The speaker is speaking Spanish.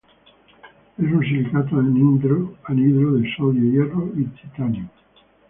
Es un silicato anhidro de sodio, hierro y titanio.